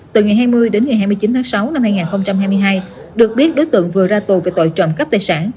từ ngày hai mươi đến ngày hai mươi chín tháng sáu năm hai nghìn hai mươi hai được biết đối tượng vừa ra tù về tội trộm cắp tài sản